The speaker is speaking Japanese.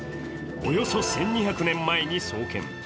およそ１２００年前に創建。